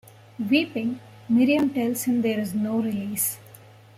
Weeping, Miriam tells him there is no release.